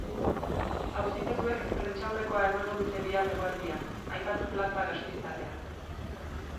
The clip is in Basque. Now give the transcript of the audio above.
Auzipetuek prentsaurrekoa emango dute bihar eguerdian, aipatu plaza gasteiztarrean.